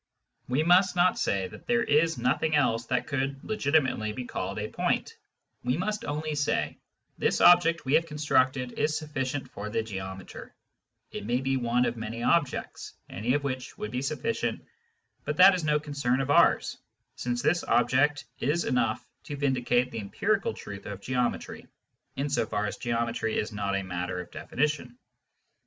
We must not say that there is nothing else that could legitimately be called a " point "; we must only say :" This object we have constructed is sufficient for the geometer ; it may be one of many objects, any of which would be sufficient, but that is no concern of ours, since this object is enough to vindicate the empirical truth of geometry, in so far as geometry is not a matter of definition."